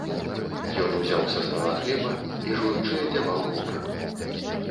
Ён узяў з стала хлеба і, жуючы, адзяваў вопратку.